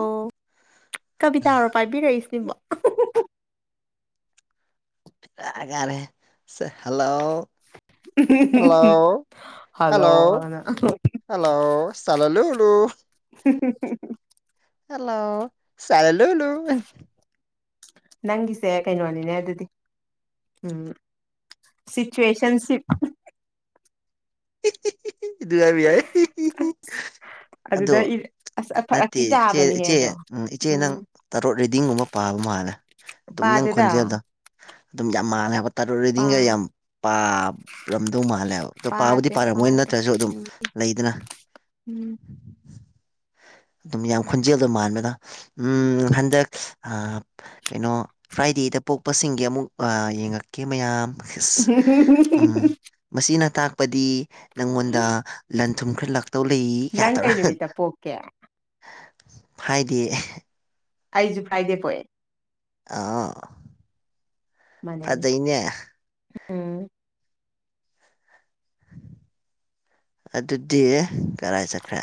ꯑꯣ ꯀꯕꯤꯇꯥꯔꯣ ꯄꯥꯏꯕꯤꯔꯛꯏꯁꯤꯕꯣ ꯇꯥꯔꯦ ꯇꯥꯔꯦ ꯁꯦ ꯍꯜꯂꯣ ꯍꯜꯂꯣ ꯍꯜꯂꯣ ꯍꯜꯂꯣꯅ ꯍꯜꯂꯣ ꯁꯂꯂꯨꯂꯨ [unintelligible] ꯍꯜꯂꯣ ꯁꯂꯂꯨꯂꯨ ꯅꯪꯒꯤꯁꯦ ꯀꯩꯅꯣꯅꯤꯅꯦ ꯑꯗꯨꯗꯤ ꯎꯝ ꯁꯨꯏꯆꯦꯁꯟꯁꯤ ꯑꯥ ꯍꯤ ꯍꯤ ꯍꯤ ꯍꯤꯑꯗꯨ ꯍꯥꯏꯕ ꯌꯥꯏ ꯍꯤ ꯍꯤ ꯍꯤ ꯑꯗꯨꯗ ꯏꯜ ꯅꯠꯇꯦ ꯏꯆꯦ ꯏꯆꯦ ꯏꯆꯦ ꯅꯪ ꯎꯝ ꯇꯔꯣꯛ ꯔꯦꯗꯤꯡꯒꯨꯝꯕ ꯄꯥꯕ ꯃꯥꯜꯂꯦ ꯑꯗꯨꯝ ꯅꯪ ꯄꯥꯗꯦꯗ ꯈꯣꯟꯖꯦꯜꯗꯣ ꯑꯗꯨꯝ ꯌꯥꯝ ꯃꯥꯜꯂꯦ ꯍꯥꯏꯕ ꯄꯥ ꯇꯔꯨꯠꯔꯦꯗꯤꯡꯒ ꯌꯥꯝ ꯄꯥꯔꯝꯗꯧ ꯃꯥꯜꯂꯦ ꯍꯥꯏꯕ ꯄꯥꯕꯨꯗꯤ ꯄꯥꯗꯦ ꯄꯥꯔꯝꯃꯣꯏ ꯄꯥꯗꯦ ꯅꯠꯇ꯭ꯔꯖꯨ ꯑꯗꯨꯝ ꯎꯝ ꯂꯩꯗꯅ ꯎꯝ ꯑꯗꯨꯝ ꯌꯥꯝ ꯈꯣꯟꯖꯦꯜꯗꯣ ꯃꯥꯟꯕꯗꯣ ꯎꯝ ꯍꯟꯗꯛ ꯑ ꯀꯩꯅꯣ ꯐ꯭ꯔꯥꯏꯗꯦꯗ ꯄꯣꯛꯄꯁꯤꯡꯒꯤ ꯑꯃꯨꯛ ꯌꯦꯡꯉꯛ ꯀꯦ ꯃꯌꯥꯝ ꯏꯁ ꯃꯁꯤꯅ ꯇꯥꯛ ꯄꯗꯤ ꯅꯪꯉꯣꯟꯗ ꯂꯟ ꯊꯨꯝ ꯈꯔ ꯂꯥꯛꯇꯧ ꯂꯩ ꯀꯥꯏ ꯇꯧꯔ ꯀꯩꯕ ꯐꯔꯥꯏꯗꯦ ꯑꯩꯖꯨ ꯐ꯭ꯔꯥꯏꯗꯦ ꯄꯣꯛꯑꯦ ꯑꯥ ꯃꯥꯟꯅꯩꯅꯦ ꯐꯖꯩꯅꯦ ꯎꯝ ꯑꯗꯨꯗꯤ ꯀꯔꯥꯏ ꯆꯠꯈ꯭ꯔꯦ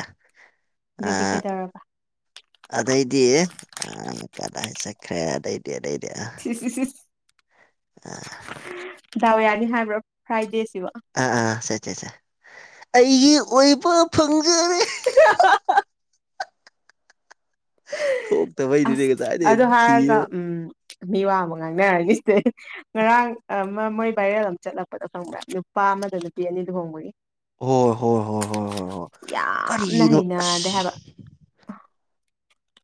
ꯑ ꯑꯗꯨꯗꯤ ꯀꯩꯗꯧꯔꯕ ꯑꯗꯩꯗꯤ ꯑꯪ ꯀꯗꯥꯏ ꯆꯠꯈ꯭ꯔꯦ ꯑꯗꯩꯗꯤ ꯑꯗꯩꯗꯤ ꯑ ꯁꯤ ꯗꯥꯎ ꯌꯥꯅꯤ ꯍꯥꯏꯕ꯭ꯔꫭ ꯐ꯭ꯔꯥꯏꯗꯦꯁꯤꯕꫭ ꯑꯥ ꯑꯥ ꯁꯦ ꯁꯦ ꯁꯦ ꯑꯩꯒꯤ ꯑꯣꯏꯕ ꯐꯪꯖ [unintelligible] ꯊꯣꯛꯇꯕꯩꯅꯤꯅꯦ ꯑꯁ ꯉꯁꯥꯏꯗꯩ ꯑꯗꯨ ꯊꯤꯔꯒ ꯍꯥꯏꯔꯒ ꯎꯝ ꯃꯤꯋꯥ ꯑꯃ ꯉꯥꯡꯅꯔꯅꯤ ꯁꯤꯗꯩ ꯉꯔꯥꯡ ꯑꯃꯥ ꯃꯣꯏ ꯚꯥꯏꯔꯦꯜ ꯑꯃ ꯆꯠꯂꯛꯄꯗꫭ ꯈꯪꯕ꯭ꯔꯥ ꯅꯨꯄꯥ ꯑꯃꯗ ꯅꯨꯄꯤ ꯑꯅꯤ ꯂꯨꯍꯣꯡꯕꯒꯤ ꯍꯣꯏ ꯍꯣꯏ ꯍꯣꯏ ꯍꯣꯏ ꯍꯣꯏ ꯍꯣꯏ ꯌꯥꯝꯅ ꯀꯔꯤꯅꯣ ꯍꯩꯅꯗꯦ ꯍꯥꯏꯕ ꯑꯁ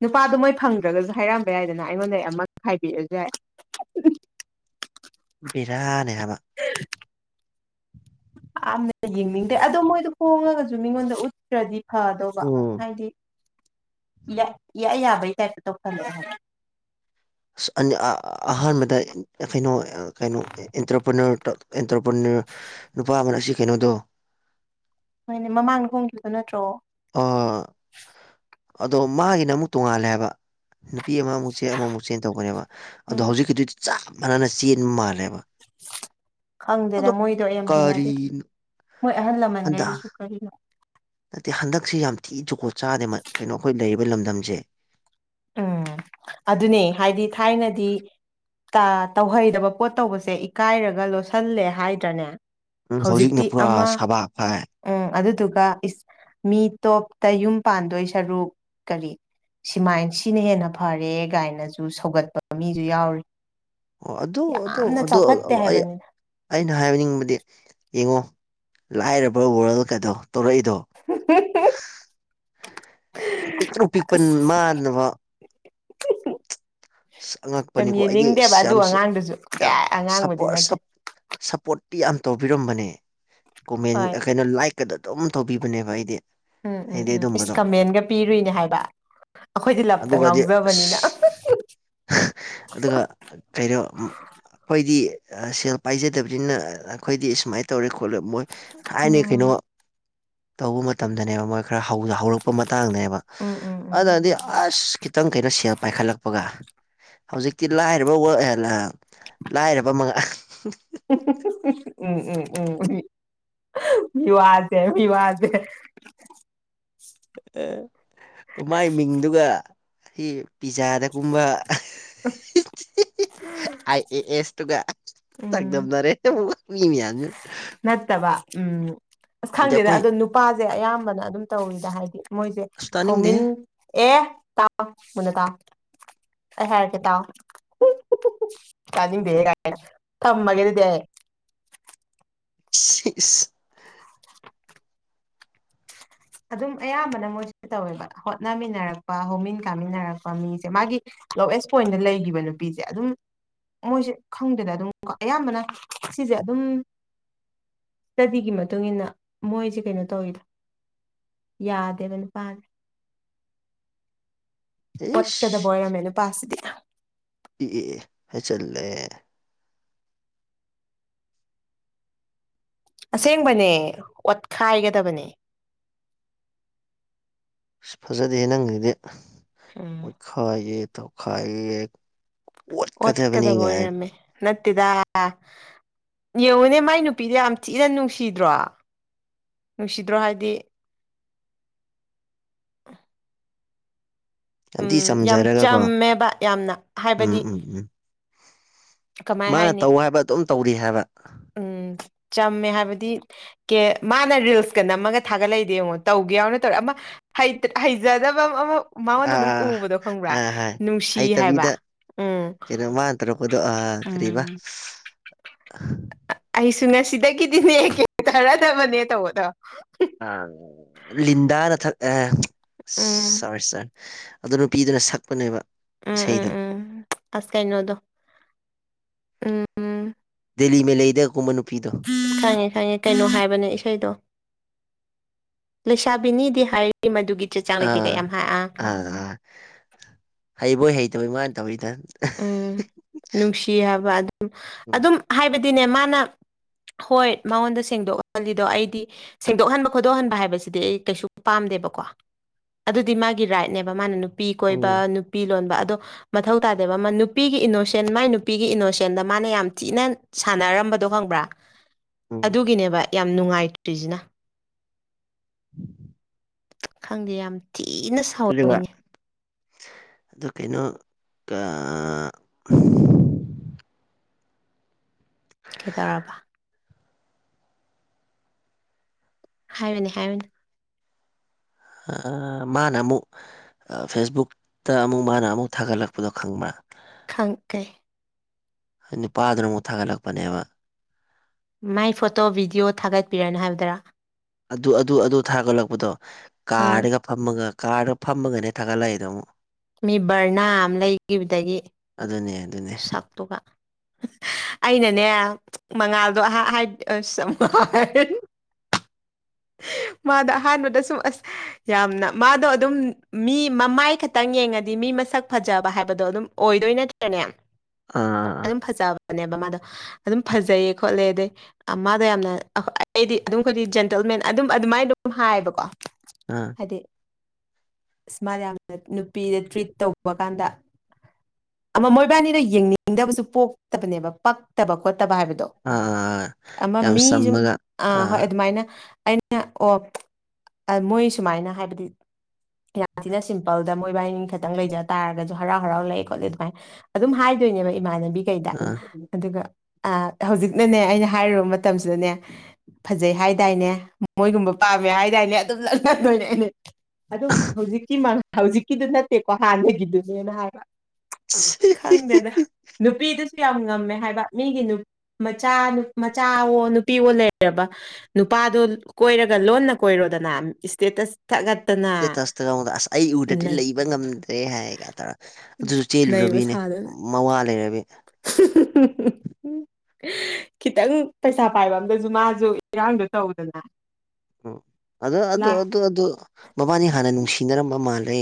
ꯅꯨꯄꯥꯗꫭ ꯃꯣꯏ ꯐꯪꯗ꯭ꯔꯒꯖꯨ ꯍꯥꯏꯔꯝꯕ ꯌꯥꯏꯗꯅ ꯑꯩꯉꯣꯟꯗ ꯑꯩ ꯑꯃ ꯈꯥꯏꯕꯤꯔꯖꯨ ꯌꯥꯏ ꯕꯦꯔꯥꯅꯦ ꯍꯥꯏꯕ ꯌꯥꯝꯅ ꯌꯦꯡꯅꯤꯡꯗꯦ ꯑꯗꯣ ꯃꯣꯏꯗꯣ ꯍꯣꯡꯉꯒꯖꯨ ꯃꯤꯉꯣꯟꯗ ꯎꯠ ꯇꯔꯗꯤ ꯐꯗꯧꯕ ꯎꯝ ꯍꯥꯏꯗꯤ ꯏꯌꯥ ꯏꯌꯥ ꯌꯥꯕꯩ ꯇꯥꯏꯞꯇ ꯇꯧꯁꯤꯜꯂꯛꯑꯦ ꯍꯥꯏꯕ ꯑꯁ ꯑꯅꯤ ꯑꯥ ꯑꯍꯥꯟꯕ ꯇꯥꯏ ꯑꯦꯐꯦꯅꫭ ꯀꯩꯅꯣ ꯑꯦꯟꯇꯔꯄ꯭ꯔꯦꯅꯔ ꯑꯦꯟꯇꯔꯄ꯭ꯔꯦꯅꯔ ꯅꯨꯄꯥ ꯑꯃꯅ ꯁꯤ ꯀꯩꯅꯣꯗꯣ ꯍꯣꯏꯅꯦ ꯃꯃꯥꯡꯗ ꯍꯣꯡꯈꯤꯕꯗꯣ ꯅꯠꯇ꯭ꯔꯣ ꯑꯣ ꯑꯗꯣ ꯃꯥꯒꯤꯅ ꯑꯃꯨꯛ ꯇꯣꯡꯉꯥꯜꯂꯦ ꯍꯥꯏꯕ ꯅꯨꯄꯤ ꯑꯃꯃꯨꯛ ꯆꯦꯟ ꯑꯃꯃꯨꯛ ꯆꯦꯟ ꯇꯧꯕꯅꯦꯕ ꯑꯗꯣ ꯎꯝ ꯍꯧꯖꯤꯛꯀꯤꯗꯨꯗꯤ ꯆꯞ ꯃꯥꯟꯅꯅ ꯆꯦꯟꯕ ꯃꯥꯜꯂꯦꯕ ꯑꯗꯣ ꯈꯪꯗꯦꯗ ꯃꯣꯏꯗꯣ ꯌꯥꯝ ꯍꯩꯅꯗꯦ ꯀꯔꯤꯅꯣ ꯃꯣꯏ ꯑꯍꯜ ꯍꯟꯗꯛ ꯂꯃꯟꯈꯩꯗꯨꯁꯨ ꯀꯔꯤꯅꯣ ꯅꯠꯇꯦ ꯍꯟꯗꯛꯁꯤ ꯌꯥꯝ ꯊꯤ ꯖꯨꯒꯣꯠ ꯆꯥꯗꯦ ꯀꯩꯅꯣ ꯑꯩꯈꯣꯏ ꯂꯩꯔꯤꯕ ꯂꯝꯗꯝꯁꯦ ꯎꯝ ꯑꯗꯨꯅꯦ ꯍꯥꯏꯗꯤ ꯊꯥꯏꯅꯗꯤ ꯇ ꯇꯧꯍꯩꯗꯕ ꯄꯣꯠ ꯇꯧꯕꯁꯦ ꯏꯀꯥꯏꯔꯒ ꯂꯣꯠꯁꯤꯜꯂꯦ ꯍꯥꯏꯗ꯭ꯔꯅꯦ ꯎꯝ ꯍꯧꯖꯤꯛꯅ ꯍꯧꯖꯤꯛꯇꯤ ꯄꯨꯔꯥ ꯑꯃ ꯁꯕꯥꯛ ꯐꯥꯛ ꯑꯦ ꯎꯝ ꯑꯗꯨꯗꯨꯒ ꯃꯤ ꯇꯣꯞꯇ ꯌꯨꯝ ꯄꯥꯟꯗꯣꯏ ꯁꯔꯨꯛ ꯀꯔꯤ ꯁꯤꯃꯥꯏꯟ ꯁꯤꯅ ꯍꯦꯟꯅ ꯐꯔꯦ ꯒꯥꯏꯅꯁꯨ ꯁꯧꯒꯠꯄ ꯃꯤꯁꯨ ꯌꯥꯎꯔꯤ ꯑꯣ ꯑꯗꯨ ꯑꯗꯨ ꯌꯥꯝꯅ ꯑꯗꯨ ꯆꯥꯎꯈꯠꯇꯦ ꯑꯩ ꯍꯥꯏꯕꯅꯤ ꯑꯩꯅ ꯍꯥꯏꯅꯤꯡꯕꯗꯤ ꯌꯦꯡꯉꯣ ꯂꯥꯏꯔꯕ ꯋꯥꯔꯜꯀꯗꯣ ꯇꯧꯔꯛꯏꯗꯣ ꯄꯤꯛꯇ꯭ꯔꯨ ꯄꯤꯛꯄꯟ ꯑꯁ ꯃꯥꯟꯅꯕ ꯌꯥꯝ ꯑꯉꯛꯄꯅꯤꯀꯣ ꯑꯩꯗꯤ ꯌꯦꯡꯅꯤꯡꯗꯦꯕ ꯑꯗꯨ ꯌꯥꯝ ꯑꯉꯥꯡꯗꯨꯁꯨ ꯀ ꯑꯉꯥꯡꯕꯨꯗꯤ ꯁꯄꯣꯔꯠ ꯅꯠꯇꯦ ꯁꯞ ꯁꯞꯄꯣꯔꯠꯇꯤ ꯌꯥꯝ ꯇꯧꯕꯤꯔꯝꯕꯅꯦ ꯀꯣꯃꯦꯟ ꯍꯣꯏ ꯀꯩꯅꯣ ꯂꯥꯏꯛ ꯀꯗꯗꯣꯝ ꯇꯧꯕꯤꯕꯅꯦꯕ ꯑꯩꯗꯤ ꯎꯝ ꯎꯝ ꯑꯩꯗꯤ ꯎꯝ ꯏꯁ ꯑꯗꯨꯝꯕꯗꯣ ꯀꯃꯦꯟꯒ ꯄꯤꯔꯨꯏꯅꯦ ꯍꯥꯏꯕ ꯑꯩꯈꯣꯏꯗꯤ ꯂꯞꯇ ꯑꯗꯨꯒꯗꯤ ꯉꯥꯎꯖꯕꯅꯤꯅ ꯑꯁ ꯑꯗꯨꯒ ꯀꯩꯅꯣ ꯑꯩꯈꯣꯏꯗꯤ ꯁꯦꯜ ꯄꯥꯏꯖꯗꯕꯅꯤꯅ ꯑꯩꯈꯣꯏꯗꯤ ꯁꯨꯃꯥꯏ ꯇꯧꯔꯦ ꯈꯣꯠꯂꯦ ꯃꯣꯏ ꯊꯥꯏꯅ ꯀꯩꯅꯣ ꯎꯝ ꯇꯧꯕ ꯃꯇꯝꯗꯅꯦꯕ ꯃꯣꯏ ꯈꯔ ꯍꯧꯔꯛ ꯄ ꯃꯇꯥꯡꯅꯦꯕ ꯎꯝ ꯎꯝ ꯎꯝ ꯑꯗꯨꯅꯗꯤ ꯑꯁ ꯈꯤꯇꯪ ꯀꯩꯅꯣ ꯁꯦꯜ ꯄꯥꯏꯈꯠꯂꯛꯄ ꯍꯥꯄꯒ ꯍꯧꯖꯤꯛꯇꯤ ꯂꯥꯏꯔꯕ ꯂꯥꯏꯔꯕ ꯎꯝ ꯎꯝ ꯎꯝ ꯎ ꯃꯤꯋꯥꯖꯦ ꯃꯤꯋꯥꯖꯦ ꯃꯒꯤ ꯃꯤꯡꯗꯨꯒ ꯁꯤ ꯄꯤꯖꯥꯗꯒꯨꯝꯕ ꯑ ꯑꯦ ꯑꯦꯁ ꯇꯨꯒ ꯎꯝ ꯇꯥꯛꯗꯝꯕꯅꯔꯦ ꯃꯤꯃꯤ ꯌꯥ ꯅꯠꯇꯕ ꯎꯝ ꯑꯁ ꯈꯪꯗꯦꯗ ꯑꯩꯈꯣꯏ ꯑꯗꯣ ꯅꯨꯄꯥꯁꯦ ꯑꯌꯥꯝꯕꯅ ꯑꯗꯨꯝ ꯇꯧꯔꯤꯗ ꯍꯥꯏꯗꯤ ꯃꯣꯏꯁꯦ ꯑꯁ ꯇꯥꯅꯤꯡꯗꯦ ꯍꯧꯃꯤꯟ ꯑꯦ ꯇꯥ ꯃꯨꯟꯅ ꯇꯥ ꯍꯥꯏꯦꯔ ꯀꯦ ꯇꯥꯎ ꯀꯥꯖꯤꯡ ꯦꯒ ꯊꯃꯒꯦꯗꯤꯗꯤ ꯁꯤꯏ ꯑꯗꯨꯝ ꯑꯌꯥꯝꯕꯅ ꯃꯣꯏꯁꯨ ꯇꯧꯋꯦꯕ ꯍꯣꯠꯅꯃꯤꯟꯅꯔꯛꯄ ꯍꯧꯃꯤꯟ ꯀꯥꯃꯤꯟꯅꯔꯛꯄ ꯃꯤꯁꯦ ꯃꯥꯒꯤ ꯂꯣꯋꯦꯁ ꯄꯣꯏꯟꯗ ꯂꯩꯈꯤꯕ ꯅꯨꯄꯤꯁꯦ ꯑꯗꯨꯝ ꯃꯣꯏꯁꯦ ꯈꯪꯗꯦꯅ ꯑꯗꯨꯝ ꯀꯣ ꯑꯌꯥꯝꯕꯅ ꯁꯤꯁꯦ ꯑꯗꯨꯝ ꯁ꯭ꯇꯗꯤꯒꯤ ꯃꯇꯨꯡ ꯏꯟꯅ ꯃꯣꯏꯁꯦ ꯀꯩꯅꯣ ꯇꯧꯋꯤꯗ ꯌꯥꯗꯦꯕꯅꯨꯄꯥꯥ ꯑꯣꯠꯀꯗꯕ ꯑꯣꯏꯔꯝꯃꯦ ꯅꯨꯄꯥꯁꯤꯗꯤ ꯏ ꯍꯥꯏ ꯆꯜꯂꯦ ꯑꯁꯦꯡꯕꯅꯦ ꯑꯣꯠꯈꯥꯏꯒꯗꯕꯅꯦ ꯐꯖꯥꯗꯦꯍꯦ ꯅꯪꯖꯤꯗꯤ ꯎꯝ ꯈꯥꯏꯌꯦ ꯇꯧꯈꯥꯏꯌꯦ ꯑꯣꯠꯀꯗꯕ ꯑꯣꯏꯔꯝꯃꯦ ꯅꯠꯇꯦꯗ ꯌꯦꯡꯉꯨꯅꯦ ꯃꯥꯏ ꯅꯨꯄꯤꯗ ꯌꯥꯝ ꯊꯤꯅ ꯅꯨꯡꯁꯤꯗ꯭ꯔꯣ ꯅꯨꯡꯁꯤꯗ꯭ꯔꯣ ꯍꯥꯏꯗꯤ [unintelligible] ꯁꯝꯇꯤ ꯎꯝ ꯌꯥꯝ ꯆꯝꯖꯔꯒꯀꯣ ꯆꯝꯃꯦꯕ ꯌꯥꯝꯅ ꯎꯝ ꯍꯥꯏꯕꯗꯤ ꯎꯝ ꯎꯝ ꯀꯃꯥꯏ ꯃꯥꯅ ꯍꯥꯏꯅꯤ ꯇꯧ ꯍꯥꯏꯕ ꯑꯗꯨꯝ ꯇꯧꯔꯤ ꯍꯥꯏꯕ ꯎꯝ ꯆꯝꯃꯦ ꯍꯥꯏꯕꯗꯤ ꯀꯦ ꯃꯥꯅ ꯔꯤꯜꯁꯀ ꯅꯝꯃꯒ ꯊꯥꯒꯠꯂꯛꯏꯗꯤ ꯌꯦꯡꯉꯣ ꯇꯧꯒꯦ ꯌꯥꯎꯅ ꯇꯧꯔꯦ ꯑꯃ ꯍꯩꯖꯗꯕ ꯑꯃ ꯃꯉꯣꯟꯗ ꯑꯥ ꯑꯗꯨꯝ ꯑꯥ ꯎꯕꯗꯣ ꯈꯪꯕ꯭ꯔꯥ ꯑꯥ ꯍꯥꯏ ꯅꯨꯡꯁꯤ ꯍꯥꯏꯕ ꯍꯩꯇꯕꯤꯗ ꯎꯝ ꯀꯩꯅꯣ ꯃꯇ꯭ꯔꯣꯄꯗꯣ ꯑ ꯀꯔꯤꯕ ꯎꯝ ꯑꯩꯁꯨ ꯉꯁꯤꯗꯒꯤꯗꯤꯅꯦ ꯈꯦꯡꯊꯔꯗꯕꯅꯦ ꯇꯧꯕꯗ ꯑ ꯂꯤꯟꯗꯥ ꯅ ꯊꯥꯛ ꯑ ꯎꯝ ꯁꯣꯔꯤ ꯁꯣꯔꯤ ꯑꯗꯨ ꯅꯨꯄꯤꯗꯨꯅ ꯁꯛꯄꯅꯦꯕ ꯎꯝ ꯎꯝ ꯏꯁꯩꯗꯨꯝ ꯎꯝ ꯑꯁ ꯀꯥꯏꯩꯅꯣꯗꯣ ꯗꯦꯜꯂꯤ ꯃ ꯂꯩꯗꯀꯨꯝꯕ ꯅꯨꯄꯤꯗꯣ ꯈꯪꯉꯦ ꯈꯪꯉꯦ ꯀꯩꯅꯣ ꯍꯥꯏꯕꯅꯦ ꯏꯁꯩꯗꯣ ꯂꯩꯁꯥꯕꯤꯅꯤꯗꯤ ꯍꯥꯏꯔꯤ ꯃꯗꯨꯒꯤ ꯆꯦ ꯆꯥꯡ ꯂꯩꯇꯦ ꯑꯥ ꯀꯌꯥꯝ ꯍꯥꯑ ꯑꯥ ꯑꯥ ꯍꯩꯕꯣꯏ ꯍꯩꯇꯕꯩ ꯃꯥꯅ ꯇꯧꯔꯤꯗ ꯎꯝ ꯅꯨꯡꯁꯤ ꯍꯥꯏꯕ ꯑꯗꯨꯝ ꯎꯝ ꯑꯗꯨꯝ ꯍꯥꯏꯕꯗꯤꯅꯦ ꯃꯥꯅ ꯍꯣꯏ ꯃꯉꯣꯟꯗ ꯁꯦꯡꯗꯣꯛꯍꯜꯂꯤꯗꯣ ꯑꯩꯗꯤ ꯁꯦꯡꯗꯣꯛꯍꯟꯕ ꯈꯣꯠꯇꯣꯛꯍꯟꯕ ꯍꯥꯏꯕꯁꯤꯗꯤ ꯑꯩ ꯀꯩꯁꯨ ꯄꯥꯝꯗꯦꯕꯀꯣ ꯑꯗꯨꯗꯤ ꯃꯥꯒꯤ ꯔꯥꯏꯠꯅꯦꯕ ꯃꯥꯅ ꯅꯨꯄꯤ ꯀꯣꯏꯕ ꯎꯝ ꯅꯨꯄꯤ ꯂꯣꯟꯕ ꯑꯗꯣ ꯃꯊꯧ ꯇ ꯑꯗꯕ ꯑꯃ ꯅꯨꯄꯤꯒꯤ ꯏꯅꯣꯁꯦꯟ ꯃꯥꯏ ꯅꯨꯄꯤꯒꯤ ꯏꯅꯣꯁꯦꯟꯗ ꯃꯥꯅ ꯌꯥꯝ ꯊꯤꯅ ꯁꯥꯟꯅꯔꯝꯕꯗꯣ ꯈꯪꯕ꯭ꯔꯥ [inaudible] ꯑꯗꯨꯒꯤꯅꯦꯕ ꯌꯥꯝ ꯅꯨꯡꯉꯥꯏꯇ꯭ꯔꯤꯁꯤꯅ [unintelligible] ꯈꯪꯗꯦ ꯌꯥꯝ ꯊꯤꯅ ꯑꯗꯨ ꯁꯥꯎꯅꯤꯡꯉꯦ ꯑꯗꯨ ꯀꯩꯅꯣ ꯀꯩꯇꯧꯔꯕ ꯍꯥꯏꯕꯅꯦ ꯍꯥꯏꯅꯤ ꯃꯥꯅ ꯑꯃꯨꯛ ꯐꯦꯁꯕꯨꯛꯇ ꯑꯃꯨꯛ ꯃꯥꯅ ꯑꯃꯨꯛ ꯊꯥꯒꯠꯂꯛꯄꯗꯣ ꯈꯪꯕ꯭ꯔꯥ ꯈꯪꯈꯩ ꯅꯨꯄꯥꯗꯨꯅ ꯑꯃꯨꯛ ꯊꯥꯒꯠꯂꯛꯄꯅꯦꯕ ꯃꯥꯏ ꯐꯣꯇꯣ ꯚꯤꯗꯤꯑꯣ ꯊꯥꯒꯠꯄꯤꯔꯅꯨ ꯍꯥꯏꯕꯗꯔꯥ ꯑꯗꯨ ꯑꯗꯨ ꯑꯗꯨ ꯊꯥꯒꯠꯂꯛꯄꯗꯣ ꯎꯝ ꯀꯥꯔꯒ ꯐꯝꯃꯒ ꯀꯥꯔꯒ ꯐꯝꯃꯒꯅꯦ ꯊꯥꯒꯠꯂꯛꯑꯏꯗ ꯑꯃꯨꯛ ꯃꯤ ꯕꯔꯅꯥ ꯑꯃ ꯂꯩꯈꯤꯕꯗꯒꯤ ꯑꯗꯨꯅꯦ ꯑꯗꯨꯅꯦ ꯁꯥꯥꯛꯇꯧꯕ ꯑꯩꯅꯅꯦ ꯃꯉꯥꯜꯗꯣ ꯃꯥꯗ ꯑꯍꯥꯟꯕꯗ ꯁꯨꯝ ꯑꯁ ꯌꯥꯝꯅ ꯃꯥꯗꯣ ꯑꯗꯨꯝ ꯃꯤ ꯃꯃꯥꯏ ꯈꯛꯇꯪ ꯌꯦꯡꯉꯗꯤ ꯃꯤ ꯃꯁꯛ ꯐꯖꯕ ꯍꯥꯏꯕꯗꯣ ꯑꯗꯨꯝ ꯑꯣꯏꯗꯣꯏ ꯅꯠꯇꯦꯅꯦ ꯑꯥ ꯑꯗꯨ ꯐꯖꯕꯅꯦꯕ ꯃꯥꯗꯣ ꯑꯗꯨꯝ ꯐꯖꯩꯌꯦ ꯈꯣꯠꯂꯦ ꯑꯗꯩ ꯃꯥꯗ ꯌꯥꯝꯅ ꯑꯩꯗꯤ ꯑꯗꯨꯝ ꯑꯩꯈꯣꯏꯗꯤ ꯖꯦꯟꯇꯜꯃꯦꯟ ꯑꯗꯨꯝ ꯑꯗꯨꯃꯥꯏꯅ ꯑꯗꯨꯝ ꯍꯥꯏꯌꯦꯕꯀꯣ ꯎꯝ ꯍꯥꯏꯗꯤ ꯁꯃꯅ ꯌꯥꯝꯅ ꯅꯨꯄꯤꯗ ꯇ꯭ꯔꯤꯠ ꯇꯧꯕ ꯀꯥꯟꯗ ꯑꯃ ꯃꯣꯏꯕꯥꯅꯤꯗꯣ ꯌꯦꯡꯅꯤꯡꯗꯕꯁꯨ ꯄꯣꯛꯇꯕꯅꯦꯕ ꯄꯛꯇꯕ ꯈꯣꯠꯇꯕ ꯍꯥꯏꯕꯗꯣ ꯑꯥ ꯑꯃ ꯌꯥꯝ ꯃꯤ ꯁꯨꯝ ꯆꯝꯃꯒ ꯑ ꯑꯥ ꯍꯣꯏ ꯑꯗꯨꯃꯥꯏꯅ ꯑꯣ ꯃꯣꯏ ꯁꯨꯃꯥꯏꯅ ꯍꯥꯏꯕꯗꯤ ꯌꯥꯝ ꯊꯤꯅ ꯁꯤꯝꯄꯜꯗ ꯃꯣꯏꯕꯥꯏꯅꯤ ꯈꯛꯇꯪ ꯂꯩꯖ ꯇꯥꯔꯒꯁꯨ ꯍꯔꯥꯎ ꯍꯔꯥꯎ ꯂꯩꯑꯦ ꯈꯣꯠꯂꯦ ꯑꯗꯨꯃꯥꯏꯅ ꯑꯗꯨꯝ ꯍꯥꯏꯗꯣꯏꯅꯦꯕ ꯏꯃꯥꯟꯅꯕꯤ ꯀꯩꯗ ꯑꯥ ꯑꯗꯨꯒ ꯑ ꯍꯧꯖꯤꯛꯅꯅꯦ ꯑꯩꯅ ꯍꯥꯏꯔꯨꯕ ꯃꯇꯝꯁꯤꯗꯅꯦ ꯐꯖꯩ ꯍꯥꯏꯗꯥꯏꯅꯦ ꯃꯣꯏꯒꯨꯝꯕ ꯄꯥꯝꯃꯦ ꯍꯥꯏꯗꯥꯏꯅꯦ ꯑꯗꯨꯝ ꯂ ꯂꯗꯣꯏꯅꯦ ꯑꯩꯅꯦ ꯑꯗꯨꯝ ꯍꯧꯖꯤꯛꯀꯤ ꯍꯧꯖꯤꯛꯀꯤꯗꯨ ꯅꯠꯇꯦꯀꯣ ꯍꯥꯟꯅꯒꯤꯗꯨꯅꯦꯅ ꯍꯥꯏꯕ ꯏꯁꯇꯦꯇꯁꯇ ꯈꯪꯗꯦꯗ ꯅꯨꯄꯤꯗꯨꯁꯨ ꯌꯥꯝ ꯉꯝꯃꯦ ꯍꯥꯏꯕ ꯃꯤꯒꯤ ꯃꯆꯥ ꯃꯆꯥꯋ ꯅꯨꯄꯤꯋ ꯂꯩꯔꯕ ꯅꯨꯄꯥꯗꯣ ꯀꯣꯏꯔꯒ ꯂꯣꯟꯅ ꯀꯣꯏꯔꯣꯗꯅ ꯏꯁꯇꯦꯇꯁ ꯒꯠꯇꯅ ꯇꯦꯇꯁꯇ ꯅꯉꯣꯟꯗ ꯑꯁ ꯑꯩ ꯎꯗ꯭ꯔꯗꯤ ꯂꯩꯕ ꯉꯝꯗ꯭ꯔꯦ ꯍꯥꯏꯒ ꯇꯧꯔ ꯑꯗꯨꯁꯨ ꯅꯩꯕ ꯆꯦꯜꯂꯨꯔꯕꯤꯅꯦ ꯁꯥꯗꯅ ꯃꯋꯥ ꯂꯩꯔꯕꯤ [unintelligible] [unintelligible] ꯈꯤꯇꯪ ꯄꯩꯁꯥ ꯄꯥꯏꯕ ꯑꯝꯗꯖꯨ ꯃꯥꯖꯨ ꯏꯔꯥꯡꯗꯣ ꯇꯧꯗꯅ ꯎ ꯑꯗꯣ ꯑꯗꯨ ꯂꯥ ꯑꯗꯨ ꯑꯗꯨ ꯃꯕꯥꯅꯤ ꯍꯥꯟꯅ ꯅꯨꯡꯁꯤꯅꯔꯝꯕ ꯃꯥꯜꯂꯦ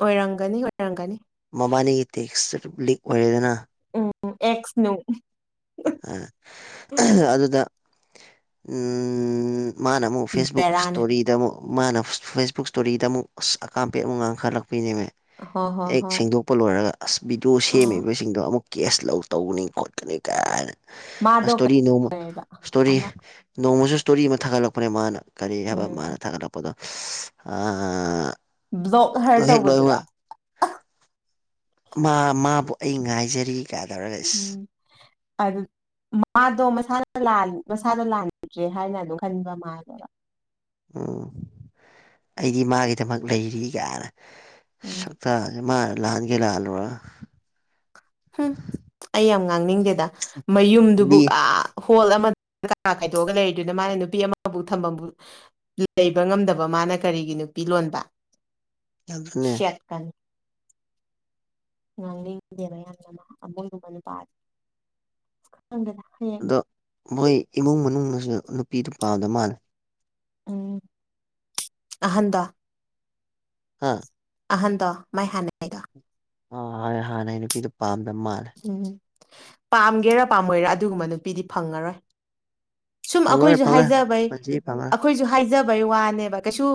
ꯑꯣꯏꯔꯝꯒꯅꯤ ꯑꯣꯏꯔꯝꯒꯅꯤ ꯃꯕꯥꯅꯤꯒꯤ ꯇꯦꯛꯁ ꯂꯤꯛ ꯑꯣꯏꯔꯦꯗꯅ ꯎꯝ ꯎꯝ ꯑꯦꯛꯁ ꯅꯨ ꯑ ꯑ꯭ꯍꯥ ꯑꯗꯨꯗ ꯎꯝ ꯃꯥꯅ ꯃꯨꯛ ꯐꯦꯁꯕꯨꯛ ꯕꯦꯔꯥꯅꯦ ꯁ꯭ꯇꯣꯔꯤꯗ ꯑꯃꯨꯛ ꯃꯥꯅ ꯐꯦꯁꯕꯨꯛ ꯁ꯭ꯇꯣꯔꯤꯗ ꯑꯃꯨꯛ ꯑꯁ ꯑꯀꯥꯝꯄꯦꯠ ꯃꯨꯛ ꯉꯥꯡꯈꯠꯂꯛꯄꯤꯅꯦꯃꯦ ꯍꯣꯏ ꯍꯣꯏ ꯍꯦꯛ ꯍꯣꯏ ꯁꯦꯡꯗꯣꯛ ꯄ ꯂꯣꯏꯔꯒ ꯑꯁ ꯚꯤꯗꯤꯑꯣ ꯑꯣ ꯁꯦꯝꯃꯤꯕꯁꯤꯡꯗꯣ ꯑꯃꯨꯛ ꯀꯦꯁ ꯂꯧ ꯇꯧꯒꯅꯤ ꯈꯣꯠꯀꯅꯤ ꯀꯥꯏꯅ ꯃꯥꯗꯣ ꯑꯁ꯭ꯇꯣꯔꯤ ꯅꯣꯡꯃ ꯀꯩ ꯁ꯭ꯇꯣꯔꯤ ꯑꯃ ꯅꯣꯡꯃꯁꯨ ꯁ꯭ꯇꯣꯔꯤ ꯑꯃ ꯊꯥꯒꯠꯂꯛꯄꯅꯦ ꯃꯥꯅ ꯀꯔꯤ ꯍꯥꯏꯕ ꯎꯝ ꯃꯥꯅ ꯊꯥꯒꯠꯂꯛꯄꯗꯣ [unintelligible] ꯑꯥ ꯕ꯭ꯂꯣꯛ ꯑꯗꯨ ꯍꯥꯏꯔ ꯍꯦꯛ ꯂꯣꯏꯕꯒ ꯇꯧꯕꯗꯨꯔꯣ ꯃꯥ -ꯃꯥꯕꯨ ꯑꯩ ꯉꯥꯏꯖꯔꯤ ꯒꯥꯏ ꯇꯧꯔꯒ ꯏꯁ ꯎꯝ ꯑꯗꯨ ꯃꯥꯗꯣ ꯃꯁꯥꯅ ꯂꯥꯟ ꯃꯁꯥꯗ ꯂꯥꯟꯗ꯭ꯔꯦ ꯍꯥꯏꯅ ꯑꯗꯨꯝ ꯈꯟꯕ ꯃꯥꯜꯂꯦꯕ ꯎꯝ ꯑꯩꯗꯤ ꯃꯥꯒꯤꯗꯃꯛ ꯂꯩꯔꯤ ꯒꯥꯢꯅ ꯎꯝ ꯁ ꯑꯥ ꯃꯥ ꯂꯍꯟꯒꯦ ꯂꯥꯛꯍꯜꯂꯨꯔ ꯎꯝ ꯑꯩ ꯌꯥꯝ ꯉꯥꯡꯅꯤꯡꯗꯦꯗ ꯃꯌꯨꯝꯗꯨꯕꯨ ꯀꯨꯂꯤ ꯑꯥ ꯍꯣꯜ ꯑꯃ ꯀꯥ ꯈꯥꯏꯗꯣꯛꯑꯒ ꯂꯩꯔꯤꯗꯨꯅ ꯃꯥꯅ ꯅꯨꯄꯤ ꯑꯃꯕꯨ ꯊꯝꯐꯝꯕꯨ ꯗꯨꯠ ꯂꯩꯕ ꯉꯝꯗꯕ ꯃꯥꯅ ꯀꯔꯤꯒꯤ ꯅꯨꯄꯤ ꯂꯣꯟꯕ ꯌꯥꯝꯐꯨꯅꯦ ꯒ꯭ꯌꯥꯟ ꯇꯥꯏ ꯉꯥꯡꯅꯤꯡꯗꯦꯕ ꯌꯥꯝꯅ ꯃꯥ ꯑ ꯃꯣꯏꯒꯨꯝꯕ ꯅꯨꯄꯥ ꯈꯪꯗꯦꯗ ꯍꯌꯦꯡ ꯗꯣ ꯃꯣꯏ ꯏꯃꯨꯡ ꯃꯅꯨꯡꯅꯁꯨ ꯅꯨꯄꯤꯗꯨ ꯄꯥꯝꯗ ꯃꯥꯜꯂꯦ ꯎꯝ [unintelligible] ꯑꯍꯟꯗꯣ ꯍꯥꯥ ꯑꯍꯟꯗꯣ ꯃꯥꯏ ꯍꯥꯟꯅꯉꯥꯏꯗꯣ ꯑꯥ ꯍꯣꯏ ꯍꯥꯟꯅꯩ ꯅꯨꯄꯤꯗꯣ ꯄꯥꯝꯗ ꯃꯥꯜꯂꯦ ꯎꯝ ꯄꯥꯝꯒꯦꯔꯥ ꯄꯥꯝꯃꯣꯏꯔ ꯑꯗꯨꯒꯨꯝꯕ ꯅꯨꯄꯤꯗꯤ ꯐꯪꯉꯔꯣꯏ ꯁꯨꯝ ꯐꯪꯉꯔꯣꯏ ꯑꯩꯈꯣꯏꯖꯨ ꯐꯪꯉꯔꯣꯏ ꯍꯥꯏꯖꯕꯩ ꯄꯨꯟꯁꯤ ꯐꯪꯉꯔꯣꯏ ꯑꯩꯈꯣꯏꯖꯨ ꯍꯥꯏꯖꯕꯩ ꯋꯥꯅꯦꯕ ꯀꯩꯁꯨ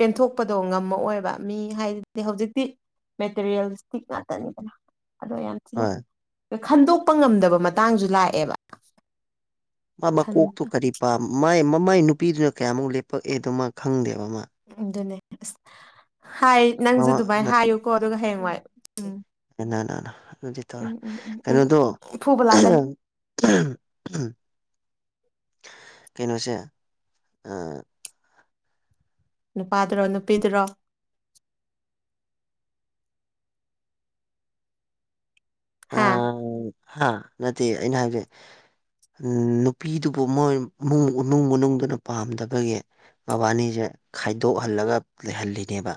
ꯄꯦꯟꯊꯣꯛꯄꯗꯣ ꯉꯝꯃꯑꯣꯏꯕ ꯃꯤ ꯍꯥꯏꯔꯗꯤ ꯍꯧꯖꯤꯛꯇꯤ ꯃꯦꯇꯔꯤꯌꯦꯜ ꯏꯁꯇꯤꯛ ꯉꯥꯛꯇꯅꯤꯗꯅ ꯑꯗꯣ ꯌꯥꯝ ꯍꯣꯏ [inaudible] ꯈꯟꯗꯣꯛꯄ ꯉꯝꯗꯕ ꯃꯇꯥꯡꯖꯨ ꯂꯥꯛꯑꯦꯕ ꯃꯥ ꯈꯟ ꯃꯀꯣꯛꯇꯣ ꯀꯔꯤ ꯄꯥꯝ ꯃꯥꯏ ꯃꯃꯥꯏ ꯅꯨꯄꯤꯗꯨꯅ ꯀꯌꯥꯃꯨꯛ ꯂꯦꯞꯄꯛꯑꯦ ꯗꯣ ꯃꯥ ꯈꯪꯗꯦꯕ ꯃꯥ ꯎꯝ ꯑꯗꯨꯅꯦ ꯑꯁ ꯍꯥꯏ ꯅꯪꯁꯨ ꯃꯃꯥ ꯑꯗꯨꯃꯥꯏ ꯍꯥꯏꯌꯨꯀꯣ ꯑꯗꯨꯒ ꯍꯌꯦꯡꯋꯥꯏ ꯎꯝ ꯑꯅꯅꯅ ꯑꯗꯨꯗꯤ ꯇꯧꯔꯦꯏ ꯎꯝ ꯎꯝ ꯎꯝ ꯎꯝ ꯀꯩꯅꯣꯗꯣ ꯐꯨꯕ ꯂꯥꯛꯀꯅꯤ ꯑꯍꯝ ꯑꯍꯝ ꯎꯝ ꯀꯩꯅꯣꯁꯦ ꯑꯥ ꯅꯨꯄꯥꯗꯨꯔꯣ ꯅꯨꯄꯤꯗꯨꯔꯣ ꯑ ꯍꯥ ꯍꯥ ꯅꯠꯇꯦ ꯑꯩꯅ ꯍꯥꯏꯕꯁꯦ ꯎꯝ ꯅꯨꯄꯤꯗꯨꯕꯨ ꯃꯣꯏ ꯃꯨꯡ -ꯃꯨꯡ ꯃꯅꯨꯡꯗꯨꯅ ꯄꯥꯝꯗꯕꯒꯤ ꯃꯕꯥꯟꯅꯤꯁꯦ ꯈꯥꯏꯗꯣꯛꯍꯜꯂꯒ ꯂꯩꯍꯜꯂꯤꯅꯦꯕ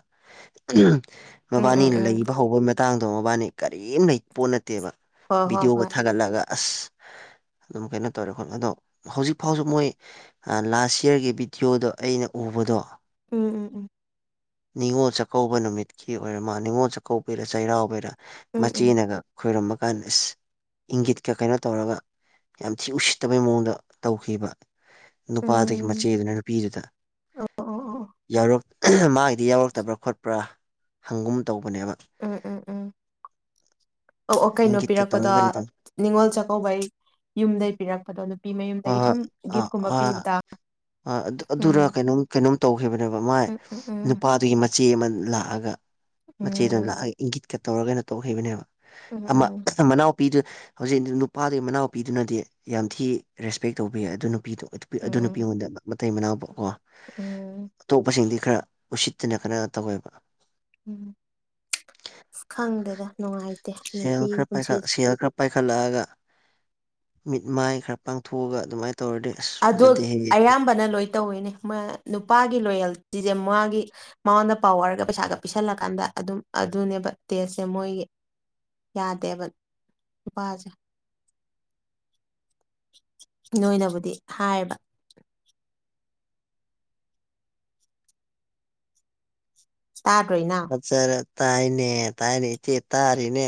[unintelligible] ꯎꯝ ꯃꯕꯥꯅꯤ ꯎꯝ ꯎꯝ ꯂꯩꯕ ꯍꯧꯕꯩ ꯃꯇꯥꯡꯗꯣ ꯃꯕꯥꯅꯤ ꯀꯔꯤꯝ ꯂꯩꯄꯣꯠ ꯅꯠꯇꯦꯕ ꯍꯣꯏ ꯍꯣꯏ ꯚꯤꯗꯤꯑꯣꯒ ꯍꯣꯏ ꯊꯥꯒꯠꯂꯒ ꯑꯁ ꯑꯗꯨꯝ ꯀꯩꯅꯣ ꯇꯧꯔꯦ ꯈꯣꯠ ꯑꯗꯣ ꯍꯧꯖꯤꯛ ꯐꯥꯎꯁꯨ ꯃꯣꯏ ꯑꯥ ꯂꯥꯁ ꯌꯤꯑꯔꯒꯤ ꯚꯤꯗꯤꯑꯣꯗꯣ ꯑꯩꯅ ꯎꯕꯗꯣ ꯎꯝ ꯎꯝ ꯎꯝ ꯅꯤꯡꯉꯣꯜ ꯆꯥꯛꯀꯧꯕ ꯅꯨꯃꯤꯠꯀꯤ ꯑꯣꯏꯔꯃ ꯅꯤꯡꯉꯣꯜ ꯆꯥꯛꯀꯧꯕꯩꯔ ꯆꯩꯔꯥꯎꯕꯩꯔ ꯎꯝ ꯎꯝ ꯃꯆꯦꯅꯒ ꯈꯣꯏꯔꯃ ꯀꯥꯟꯗ ꯑꯁ ꯏꯪꯒꯤꯠꯀ ꯀꯩꯅꯣ ꯇꯧꯔꯒ ꯌꯥꯝ ꯊꯤ ꯎꯁꯤꯠꯇꯕꯩ ꯃꯑꯣꯡꯗ ꯇꯧꯈꯤꯕ ꯅꯨꯄꯥꯗꯨꯒꯤ ꯎꯝ ꯃꯆꯦꯗꯨꯅ ꯅꯨꯄꯤꯗꯨꯗ ꯑꯣ ꯑꯣ ꯑꯣ ꯌꯥꯎꯔꯛ ꯃꯥꯒꯤꯗꯤ ꯌꯥꯎꯔꯛꯇꯕ꯭ꯔꯥ ꯈꯣꯠꯄ꯭ꯔꯥ ꯍꯪꯒꯨꯝ ꯇꯧꯕꯅꯦꯕ ꯎꯝ ꯎꯝ ꯎꯝ ꯑꯣ ꯑꯣ ꯀꯩꯅꯣ ꯏꯪꯒꯤꯠꯀ ꯇꯧꯔꯒ ꯄꯤꯔꯛꯄꯗꯣ ꯀꯩꯅꯣ ꯇꯧ ꯅꯤꯉꯣꯜ ꯆꯥꯛꯀꯧꯕꯩ ꯌꯨꯝꯗꯒꯤ ꯄꯤꯔꯛꯄꯗꯣ ꯅꯨꯄꯤ ꯍꯣꯏ ꯃꯌꯨꯝꯗꯒꯤ ꯍꯣꯏ ꯁꯨꯝ ꯑꯥ ꯒꯤꯐꯀꯨꯝꯕ ꯑꯥ ꯄꯤꯕꯗꯣ ꯑꯗꯨꯔ ꯀꯩꯅꯣꯝ ꯀꯩꯅꯣꯝ ꯇꯧꯈꯤꯕꯅꯦꯕ ꯃꯥꯏ ꯎꯝ ꯎꯝ ꯅꯨꯄꯥꯗꯨꯒꯤ ꯃꯆꯦ ꯑꯃ ꯂꯥꯛꯑꯒ ꯎꯝ ꯃꯆꯦꯗꯨꯅ ꯎꯝ ꯂꯥꯛꯑꯒ ꯏꯪꯒꯤꯠꯀ ꯇꯧꯔꯒꯩꯅ ꯇꯧꯈꯤꯕꯅꯦꯕ ꯑꯃ ꯎꯝ ꯃꯅꯥꯎ ꯅꯨꯄꯤꯗꯨ ꯍꯧꯖꯤꯛ ꯅꯨꯄꯥꯗꯨꯒꯤ ꯃꯅꯥꯎꯄꯤꯗꯨꯅꯗꯤ ꯌꯥꯝ ꯊꯤ ꯔꯦꯁꯄꯦꯛ ꯇꯧꯕꯤ ꯌꯦ ꯑꯗꯨ ꯅꯨꯄꯤꯗꯣ ꯑꯗꯨ ꯅꯨꯄꯤ ꯎꯝ ꯑꯩꯉꯣꯟꯗ ꯃꯇꯩ ꯃꯅꯥꯎꯕ ꯀꯣ ꯎꯝ ꯑꯇꯣꯞꯄꯁꯤꯡꯗꯤ ꯈꯔ ꯎꯁꯤꯠꯇꯅ ꯈꯔ ꯇꯧꯋꯦꯕ ꯎꯝ ꯑꯁ ꯈꯪꯗꯦꯗ ꯅꯨꯡꯉꯥꯏ ꯁꯦꯜ ꯈ꯭ꯔ ꯄꯥꯏꯈꯠ ꯁꯦꯜ ꯈ꯭ꯔ ꯄꯥꯏꯈꯠꯂꯛꯑꯒ ꯃꯤꯠ ꯃꯥꯏ ꯈꯔ ꯄꯥꯡꯊꯣꯛꯑꯒ ꯑꯗꯨꯃꯥꯏꯅ ꯇꯧꯔꯗꯤ ꯑꯁ ꯐꯖꯗꯦ ꯍꯦ ꯕꯅ ꯂꯣꯏ ꯇꯧꯋꯤꯅꯦ ꯅꯨꯄꯥꯒꯤ ꯂꯣꯌꯦꯜꯇꯤꯁꯦ ꯃꯥꯒꯤ ꯃꯉꯣꯟꯗ ꯄꯋꯥꯔꯒ ꯄꯩꯁꯥꯒ ꯄꯤꯁꯜꯂꯀꯥꯟꯗ ꯑꯗꯨꯝ ꯑꯗꯨꯅꯦꯕ ꯇꯦꯁ ꯁꯦ ꯃꯣꯏꯒꯤ ꯌꯥꯗꯦꯕ ꯅꯨꯄꯥꯁꯦ ꯅꯣꯏꯅꯕꯨꯗꯤ ꯍꯥꯏꯕ ꯇꯥꯗꯔꯣ ꯏꯅꯥꯎ ꯆꯔ ꯇꯥꯏꯅꯦ ꯇꯥꯏꯅꯦ ꯏꯆꯦ ꯇꯥꯔꯤꯅꯦ